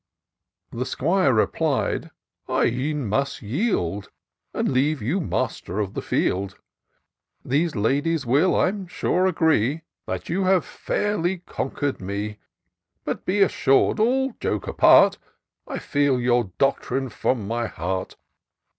The 'Squire replied, " I e'en must yield, And leave you master of the field : These ladies will, I'm sure agree That you have fairly conquer'd me ; IN SEARCH OF THE PICTURESQUE. 167 But^ be assur'dj all joke apart, I feel your doctrine from my heart.